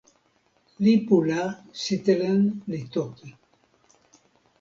lipu la sitelen li toki.